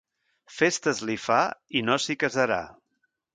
Festes li fa, i no s'hi casarà.